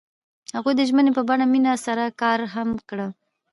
هغوی د ژمنې په بڼه مینه سره ښکاره هم کړه.